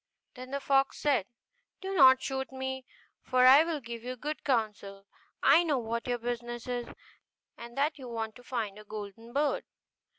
Then the fox said, 'Do not shoot me, for I will give you good counsel; I know what your business is, and that you want to find the golden bird.